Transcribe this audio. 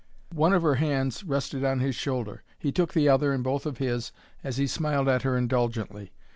One of her hands rested on his shoulder. He took the other in both of his as he smiled at her indulgently.